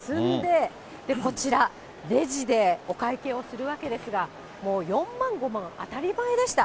皆さん、大きなカートに商品を積んで、こちら、レジでお会計をするわけですが、もう４万、５万当たり前でした。